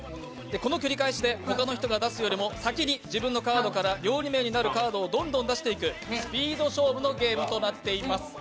この繰り返しで他の人が出すよりも自分のカードから料理名になるカードをどんどん出していくスピード勝負のゲームとなっております。